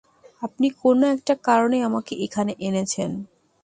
আপনি কোনো একটা কারণে আমাকে এখানে এনেছেন।